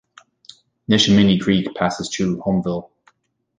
Neshaminy Creek passes through Hulmeville.